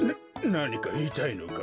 なにかいいたいのか？